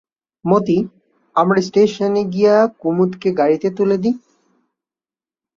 মতি, আমরা স্টেশনে গিয়ে কুমুদকে গাড়িতে তুলে দিই।